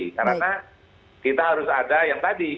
karena kita harus ada yang tadi